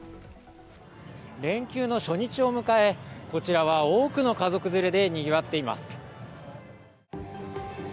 連休の初日を迎え、こちらは多くの家族連れでにぎわっています。